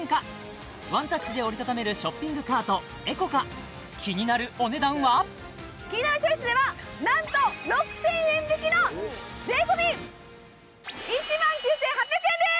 ワンタッチで折り畳める気になるお値段は「キニナルチョイス」ではなんと６０００円引きの税込１万９８００円です！